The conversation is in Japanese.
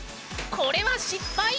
これは失敗！